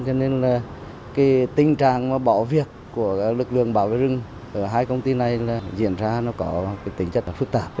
cho nên tình trạng bỏ việc của lực lượng bảo vệ rừng ở hai công ty này diễn ra có tính chất phức tạp